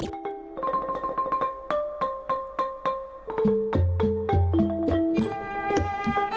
ครึ่งตัวแล้วก็อีกครึ่งตัวจะเป็นปลากระโพงฟูลาดด้วยน้ำยำมะม่วงครับ